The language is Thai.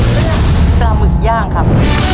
เรื่องปลาหมึกย่างครับ